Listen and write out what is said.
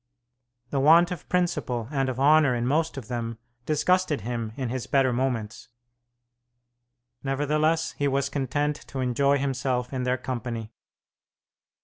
The want of principle and of honour in most of them disgusted him in his better moments; nevertheless he was content to enjoy himself in their company.